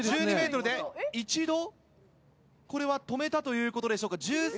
１２ｍで一度これは止めたということでしょうか。